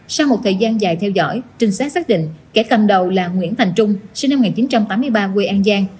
sau một thời gian dài theo dõi trinh sát xác định kẻ cầm đầu là nguyễn thành trung sinh năm một nghìn chín trăm tám mươi ba quê an giang